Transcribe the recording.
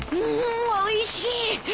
んおいしい。